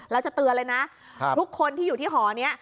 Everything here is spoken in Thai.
แล้วจะเตือนเลยนะทุกคนที่อยู่ที่หอนี้